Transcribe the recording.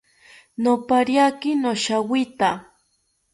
Nopariaki noshiawita